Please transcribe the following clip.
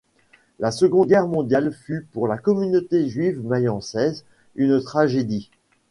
La seconde guerre mondiale fut pour la communauté juive mayençaise une tragédie.